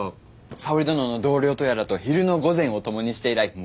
沙織殿の同僚とやらと昼の御膳を共にして以来病みつきでな。